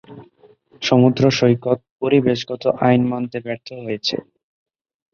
কিছু সমুদ্র সৈকত পরিবেষগত আইন মানতে ব্যর্থ হয়েছে।